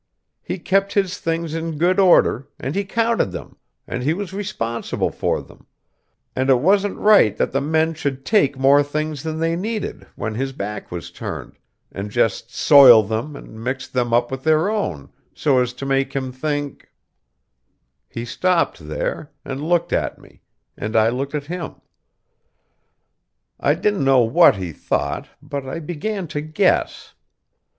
He kept his things in good order, and he counted them, and he was responsible for them, and it wasn't right that the men should take more things than they needed when his back was turned, and just soil them and mix them up with their own, so as to make him think He stopped there, and looked at me, and I looked at him. I didn't know what he thought, but I began to guess.